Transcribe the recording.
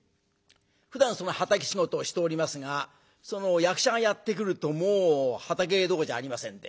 ふだん畑仕事をしておりますが役者がやって来るともう畑どころじゃありませんで。